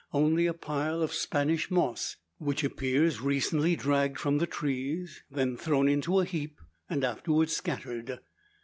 Only a pile of Spanish moss, which appears recently dragged from the trees; then thrown into a heap, and afterwards scattered.